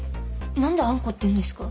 何であんこって言うんですか？